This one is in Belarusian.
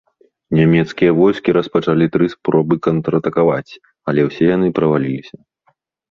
Нямецкія войскі распачалі тры спробы контратакаваць, але ўсе яны праваліліся.